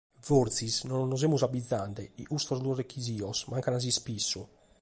Forsis non nos semus abbigende chi custos duos rechisitos mancant a s’ispissu.